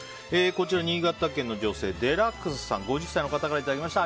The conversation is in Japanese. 新潟県の女性５０歳の方からいただきました。